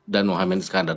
dan muhaymin iskandar